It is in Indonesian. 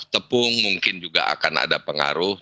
tepung mungkin juga akan ada pengaruh